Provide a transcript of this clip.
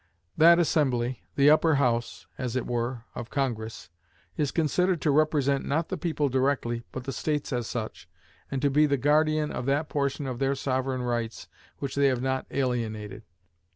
That assembly, the Upper House, as it were, of Congress, is considered to represent not the people directly, but the States as such, and to be the guardian of that portion of their sovereign rights which they have not alienated.